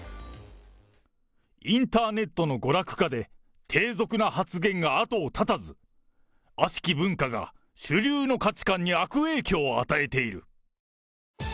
インターネットの娯楽化で、低俗な発言が後を絶たず、悪しき文化が主流の価値観に悪影響を与えている。